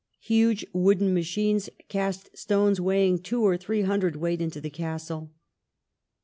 Huge wooden machines cast stones weighing two or three hundredweight into the castle.